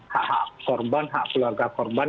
hak hak korban hak keluarga korban